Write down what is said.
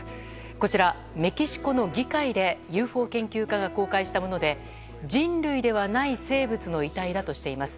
こちら、メキシコの議会でＵＦＯ研究家が公開したもので人類ではない生物の遺体だとしています。